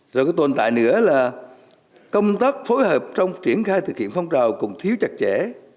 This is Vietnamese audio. rồi cái tồn tại nữa là công tác phối hợp trong triển khai thực hiện phong trào còn thiếu chặt chẽ